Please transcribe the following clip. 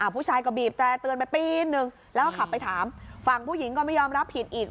ผู้ชายก็บีบแตร่เตือนไปปีนหนึ่งแล้วก็ขับไปถามฝั่งผู้หญิงก็ไม่ยอมรับผิดอีก